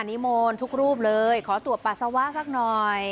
นิมนต์ทุกรูปเลยขอตรวจปัสสาวะสักหน่อย